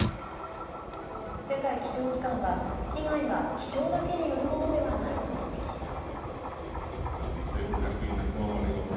世界気象機関は、被害が気象だけによるものではないと指摘します。